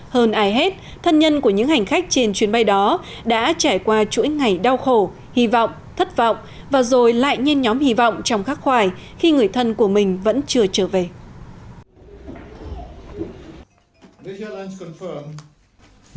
hơn ai hết thân nhân của những hành khách trên chuyến bay đó đã trải qua chuỗi ngày đau khổ hy vọng thất vọng và rồi lại nhen nhóm hy vọng trong khắc khoải khi người thân của mình vẫn chưa trở về